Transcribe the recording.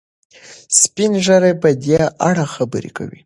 سپین ږیري په دې اړه خبرې کوي.